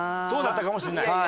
そうだったかもしれない？